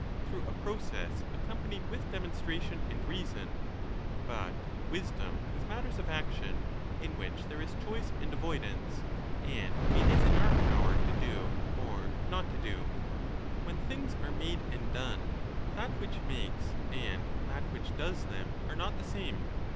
34 I196* through a process accompanied with demonstration and reason, but wisdom with matters of action, in which there 1197^ is choice and avoidance, and it is in our power to do or not to do. When things are made and done, that which makes and that which does them are not the same.